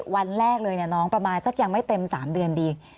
วันแรกเลยน้องประมาณสักยังไม่เต็ม๓เดือนดี